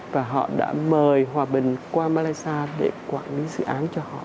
và họ đã mời hòa bình qua malaysia để quản lý dự án cho họ